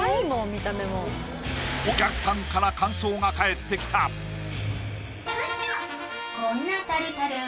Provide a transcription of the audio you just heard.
見た目もお客さんから感想が返ってきたよ